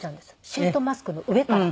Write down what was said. シートマスクの上から。